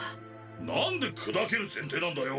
なんで砕ける前提なんだよ！